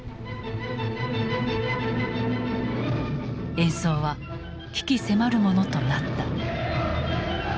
演奏は鬼気迫るものとなった。